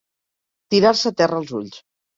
Tirar-se terra als ulls.